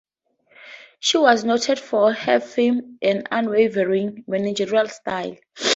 She was noted for her firm and unwavering managerial style.